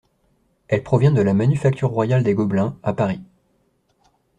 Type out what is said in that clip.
Elle provient de la Manufacture royale des Gobelins, à Paris.